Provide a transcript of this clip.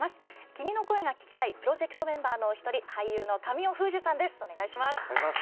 「君の声が聴きたい」プロジェクトメンバーのお一人俳優の神尾楓珠さんです。